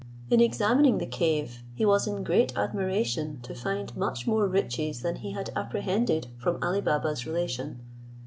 In examining the cave, he was in great admiration to find much more riches than he had apprehended from Ali Baba's relation.